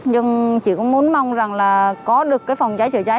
nhưng chị cũng muốn mong rằng là có được cái phòng trái trở trái